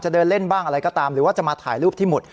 เดินเล่นบ้างอะไรก็ตามหรือว่าจะมาถ่ายรูปที่หมุด